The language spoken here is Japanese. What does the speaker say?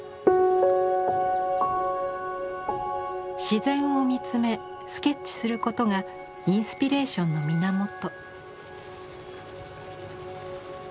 自然を見つめスケッチすることがインスピレーションの源。